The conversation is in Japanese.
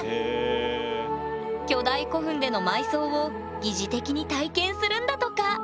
巨大古墳での埋葬を擬似的に体験するんだとか！